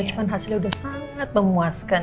cuman hasilnya udah sangat memuaskan